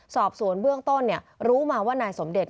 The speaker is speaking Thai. สอบสวนเบื้องต้นรู้มาว่านายสมเด็จ